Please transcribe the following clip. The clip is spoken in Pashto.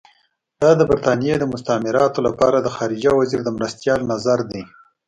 دا د برټانیې د مستعمراتو لپاره د خارجه وزیر د مرستیال نظر دی.